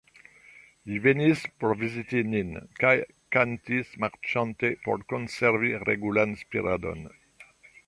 Li venis por viziti nin, kaj kantis marŝante por konservi regulan spiradon.